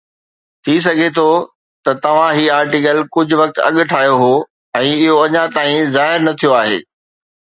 ٿي سگهي ٿو توهان هي آرٽيڪل ڪجهه وقت اڳ ٺاهيو هو ۽ اهو اڃا تائين ظاهر نه ٿيو آهي